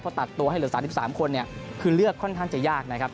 พอตัดตัวให้เหลือ๓๓คนคือเลือกค่อนข้างจะยากนะครับ